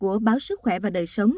của báo sức khỏe và đời sống